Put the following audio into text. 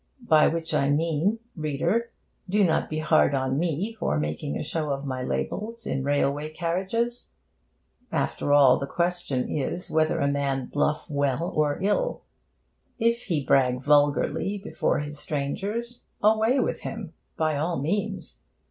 By which I mean, reader, do not be hard on me for making a show of my labels in railway carriages. After all, the question is whether a man 'bluff' well or ill. If he brag vulgarly before his strangers, away with him! by all means.